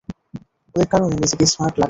ওদের কারণে নিজেকে স্মার্ট লাগছে।